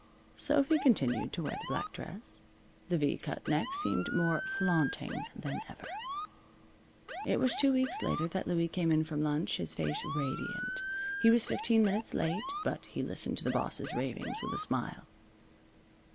Sophy continued to wear the black dress. The V cut neck seemed more flaunting than ever. It was two weeks later that Louie came in from lunch, his face radiant. He was fifteen minutes late, but he listened to the boss's ravings with a smile.